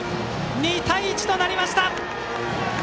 ２対１となりました。